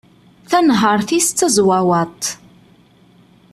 Tanhert-is d tazwawaṭ.